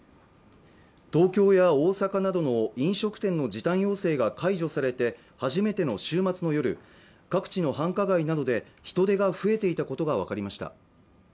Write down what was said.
東京や大阪などの飲食店の時短要請が解除されて初めての週末の夜各地の繁華街などで人出が増えていたことが分かりました